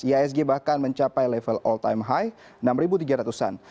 iasg bahkan mencapai level all time high enam tiga ratus an